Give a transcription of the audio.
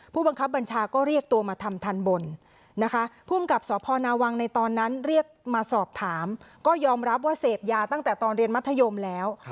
ผู้บังคับบัญชาก็เรียกตัวมาทำทันบนนะคะภูมิกับสพนาวังในตอนนั้นเรียกมาสอบถามก็ยอมรับว่าเสพยาตั้งแต่ตอนเรียนมัธยมแล้ว